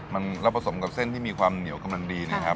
มันแล้วผสมกับเส้นที่มีความเหนียวกำลังดีนะครับ